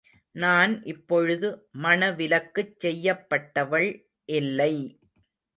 நான் இப்பொழுது மணவிலக்குச் செய்யப்பட்டவள்! இல்லை.